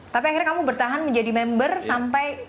tapi akhirnya kamu bertahan menjadi member sampai